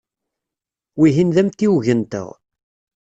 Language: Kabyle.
Wihin d amtiweg-nteɣ.